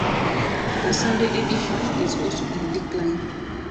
The Sunday edition is also in decline.